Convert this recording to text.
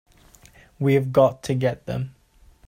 We've got to get to them!